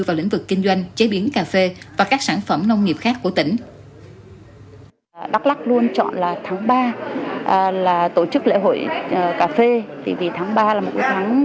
đắk lắc luôn chọn là tháng ba là tổ chức lễ hội cà phê vì tháng ba là một cái tháng